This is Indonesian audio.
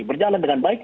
berjalan dengan baik